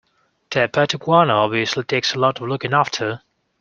Their pet iguana obviously takes a lot of looking after.